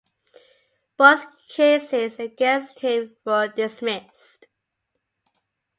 Both cases against him were dismissed.